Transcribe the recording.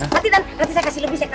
nanti dan nanti saya kasih lebih